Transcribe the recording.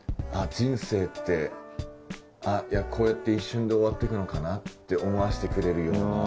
人生ってこうやって一瞬で終わって行くのかなって思わせてくれるような。